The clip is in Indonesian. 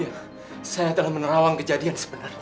saya telah menerawang kejadian sebenarnya